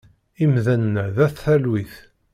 Imdanen-a d at talwit.